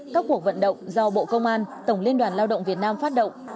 các cuộc vận động do bộ công an tổng liên đoàn lao động việt nam phát động